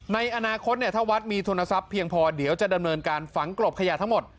ในอนาคตถ้าวัดมีทุนทรัพย์เพียงพอเดี๋ยวจะดำเนินการฝังกลบขยะทั้งหมด